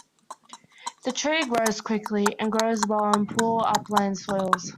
The tree grows quickly, and grows well in poor upland soils.